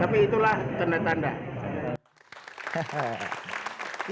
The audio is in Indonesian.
tapi itulah tanda tanda